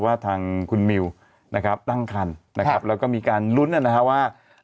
ว่าทางคุณมิวนะครับตั้งคันนะครับแล้วก็มีการลุ้นนะฮะว่า